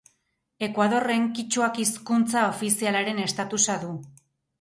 Ekuadorren kitxuak hizkuntza ofizialaren estatusa du.